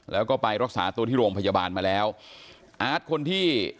แล้วก็ไปรักษาตัวที่โรงพยาบาลมาแล้วอาร์ตคนที่